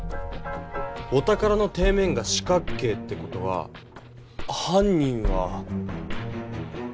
お宝の底面が四角形って事ははん人は。